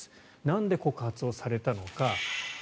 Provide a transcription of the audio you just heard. なんで告発をされたのか。